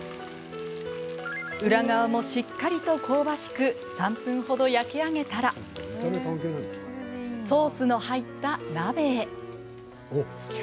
裏側もしっかりと香ばしく３分ほど焼き上げたらソースの入った鍋へ。